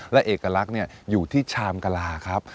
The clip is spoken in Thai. และเอกลักษณ์อยู่ที่ชามกะลาครับ